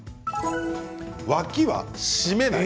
脇は締めない。